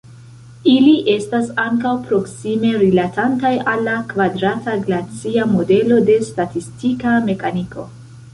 Ili estas ankaŭ proksime rilatantaj al la kvadrata glacia modelo de statistika mekaniko.